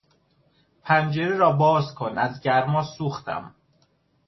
پنجره را باز کن; از گرما سوختم!